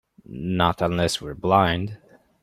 Not unless we're blind.